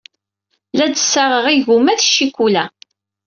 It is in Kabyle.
La d-ssaɣeɣ igumma ed ccikula.